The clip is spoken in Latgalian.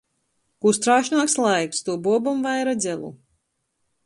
Kū strāšnuoks laiks, tū buobom vaira dzelu.